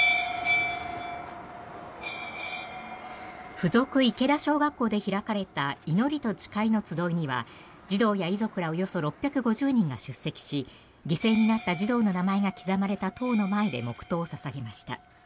附属池田小学校で開かれた祈りと誓いの集いには児童や遺族らおよそ６５０人が出席し犠牲になった児童の名前が刻まれた塔の前で黙祷を捧げました。